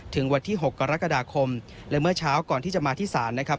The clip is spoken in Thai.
วันที่๖กรกฎาคมและเมื่อเช้าก่อนที่จะมาที่ศาลนะครับ